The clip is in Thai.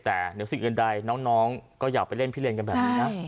แต่เหนือสิ่งอื่นใดน้องก็อยากไปเล่นพิเลนกันแบบนี้นะ